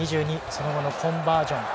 その後のコンバージョン